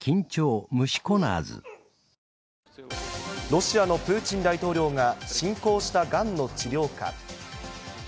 ロシアのプーチン大統領が、進行したがんの治療か。